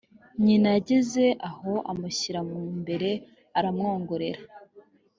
Nyina yageze aho amushyira mu mbere aramwongorera